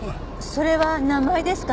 それは名前ですか？